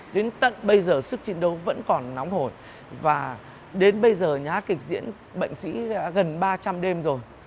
đến tận bây giờ sức chiến đấu vẫn còn nóng hổi và đến bây giờ nhà hát kịch diễn bệnh sĩ đã gần ba trăm linh đêm rồi